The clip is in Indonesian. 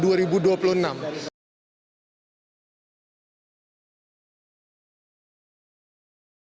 jadi apa yang diperhatikan